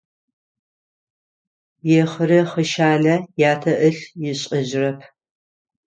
Ехъырэхъышалэ ятэ ылъ ышӏэжьырэп.